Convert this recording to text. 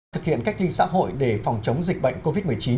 thực hiện cách ly xã hội để phòng chống dịch bệnh covid một mươi chín